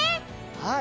はい。